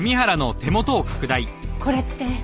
これって。